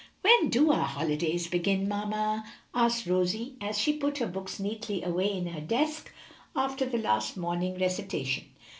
"When do our holidays begin, mamma?" asked Rosie, as she put her books neatly away in her desk after the last morning recitation.